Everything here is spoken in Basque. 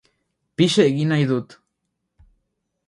Pixa egin nahi dut.